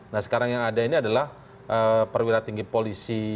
nah sekarang yang ada ini adalah perwira tinggi polisi